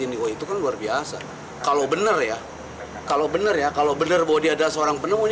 itu kan luar biasa kalau benar ya kalau benar bahwa dia ada seorang penemunya